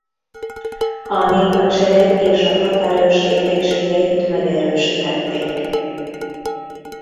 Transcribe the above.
A néphadsereg és a határőrség egységeit megerősítették.